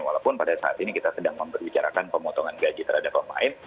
walaupun pada saat ini kita sedang membicarakan pemotongan gaji terhadap pemain